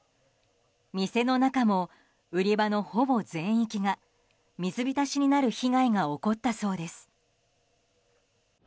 店の中も、売り場のほぼ全域が水浸しになる被害が起こったそうです。